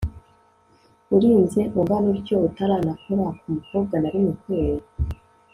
urinze ungana utyo utaranakora kumukobwa narimwe kweli